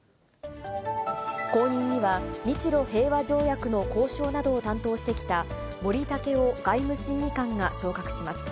後任には、日露平和条約の交渉などを担当してきた、森健良外務審議官が昇格します。